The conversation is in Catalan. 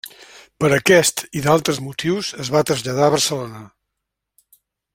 Per aquest, i d’altres motius, es va traslladar a Barcelona.